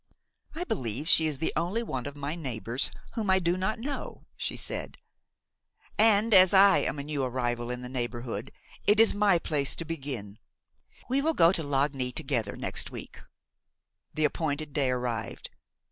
"I believe she is the only one of my neighbors whom I do not know," she said; "and as I am a new arrival in the neighborhood it is my place to begin. We will go to Lagny together next week." The appointed day arrived.